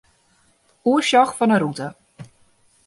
Oersjoch fan 'e rûte.